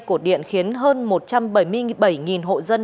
cột điện khiến hơn một trăm bảy mươi bảy hộ dân